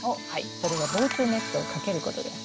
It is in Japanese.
それは防虫ネットをかけることです。